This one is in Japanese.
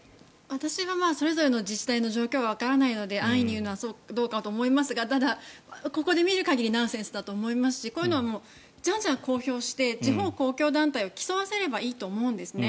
私はそれぞれの自治体の状況はわからないので安易に言うのはどうかと思いますがただ、ここで見る限りナンセンスだと思いますしこういうのはジャンジャン公表して地方公共団体を競わせればいいと思うんです。